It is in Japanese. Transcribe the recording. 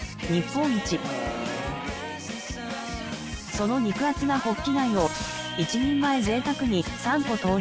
その肉厚なホッキ貝を１人前贅沢に３個投入。